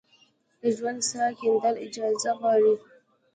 د ژورې څاه کیندل اجازه غواړي؟